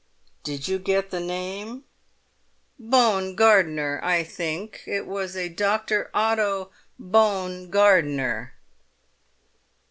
"Did you get the name?" "Bone Gardner, I think it was a Dr. Otto Bone Gardner."